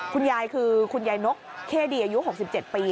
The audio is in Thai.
คุณยายคือคุณยายนกเข้ดีอายุ๖๗ปี